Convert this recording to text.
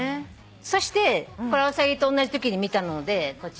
そしてアオサギとおんなじときに見たのでこちら。